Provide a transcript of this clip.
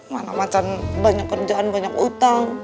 mana macan banyak kerjaan banyak utang